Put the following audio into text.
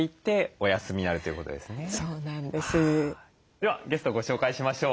ではゲストをご紹介しましょう。